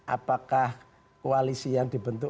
apakah koalisi yang dibentuk